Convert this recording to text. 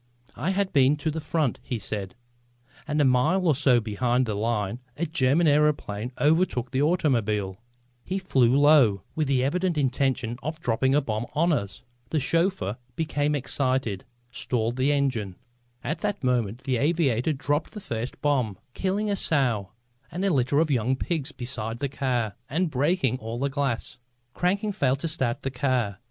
"I had been to the front," he said, "and a mile or so behind the line a German aëroplane overtook the automobile. He flew low, with the evident intention of dropping a bomb on us. The chauffeur, becoming excited, stalled the engine. At that moment the aviator dropped the first bomb, killing a sow and a litter of young pigs beside the car and breaking all the glass. Cranking failed to start the car.